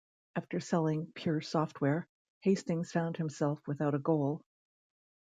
After selling Pure Software, Hastings found himself without a goal.